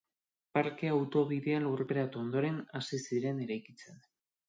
Parkea autobidea lurperatu ondoren hasi ziren eraikitzen.